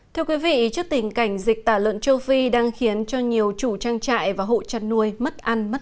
trước tình cảnh dịch tả lợn châu phi đang khiến cho nhiều chủ trang trại và hộ trăn nuôi mất ăn mất